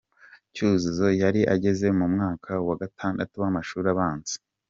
Cyuzuzo yari ageze mu mwaka wa gatandatu w’amashuri abanza.